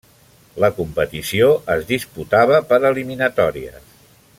La competició es disputava per eliminatòries.